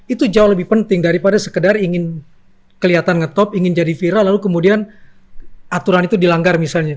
itu jauh lebih penting daripada sekedar ingin kelihatan ngetop ingin jadi viral lalu kemudian aturan itu dilanggar misalnya